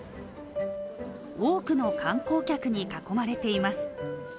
多くの観光客に囲まれています。